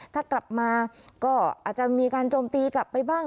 ถ้ากลับมาก็อาจจะมีการโจมตีกลับไปบ้าง